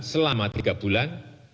selama tiga bulan